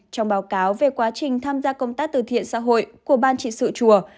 trong báo cáo về quá trình tham gia công tác từ thiện xã hội của ban trị sự chùa